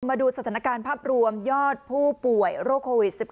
มาดูสถานการณ์ภาพรวมยอดผู้ป่วยโรคโควิด๑๙